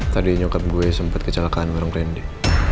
tadi nyokap gue sempet kecelakaan sama randy